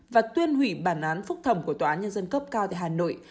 và tuyên hủy bản án phúc thẩm của tòa án nhân dân cấp cao tại hà nội